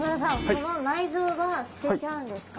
この内臓は捨てちゃうんですか？